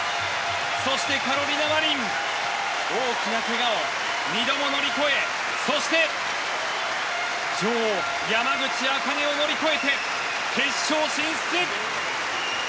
そしてカロリナ・マリン大きなけがを２度も乗り越えそして女王・山口茜を乗り越えて決勝進出！